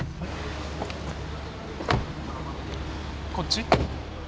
こっち？